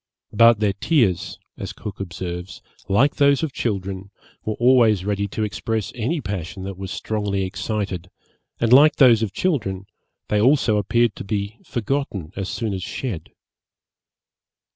'But their tears,' as Cook observes, 'like those of children, were always ready to express any passion that was strongly excited, and like those of children, they also appeared to be forgotten as soon as shed.'